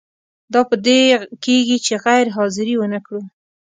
دا په دې کیږي چې غیر حاضري ونه کړو.